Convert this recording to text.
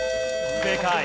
正解。